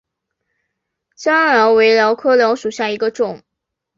粘蓼为蓼科蓼属下的一个种。